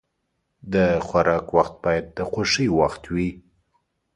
د خوراک وخت باید د خوښۍ وخت وي.